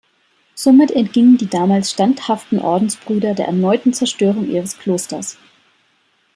Somit entgingen die damals standhaften Ordensbrüder der erneuten Zerstörung ihres Klosters.